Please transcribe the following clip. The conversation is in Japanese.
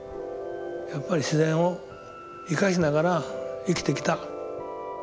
やっぱり自然を生かしながら生きてきた。